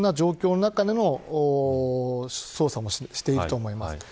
いろんな状況の中での捜査もしていると思います。